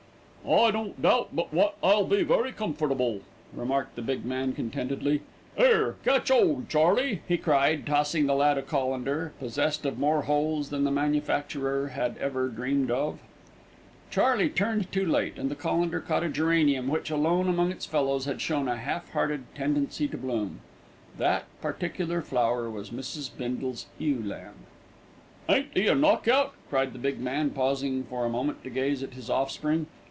"I don't doubt but wot I'll be very comfortable," remarked the big man contentedly. "'Ere, catch 'old, Charley," he cried, tossing the lad a colander, possessed of more holes than the manufacturer had ever dreamed of. Charley turned too late, and the colander caught a geranium which, alone among its fellows, had shown a half hearted tendency to bloom. That particular flower was Mrs. Bindle's ewe lamb. "Ain't 'e a knock out?" cried the big man, pausing for a moment to gaze at his offspring.